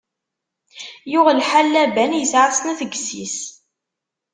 Yuɣ lḥal, Laban isɛa snat n yessi-s.